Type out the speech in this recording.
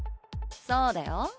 そうだよ。